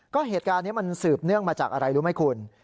ก็เหตุการณ์นี้มันสืบเนื่องมาจากอะไรรู้ไหมคุณ